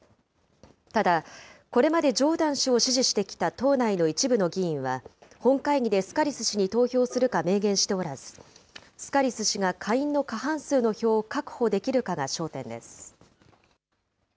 ただ、これまでジョーダン氏を支持してきた党内の一部の議員は、本会議でスカリス氏に投票するか明言しておらず、スカリス氏が下院の過半数の票を確保できるかが焦点です。